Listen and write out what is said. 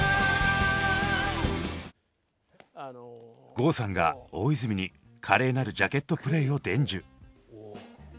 郷さんが大泉に華麗なるジャケットプレイを伝授。